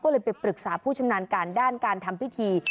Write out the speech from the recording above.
ก็เลยไปปรึกษาผู้ชำนาญการด้านการทำพิธี